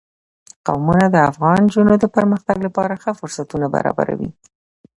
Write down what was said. قومونه د افغان نجونو د پرمختګ لپاره ښه فرصتونه برابروي.